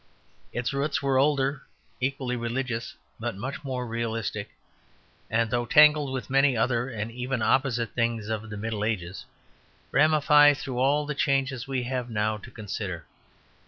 Its roots were older, equally religious but much more realistic; and though tangled with many other and even opposite things of the Middle Ages, ramify through all the changes we have now to consider.